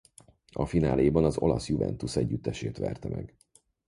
A fináléban az olasz Juventus együttesét verte meg.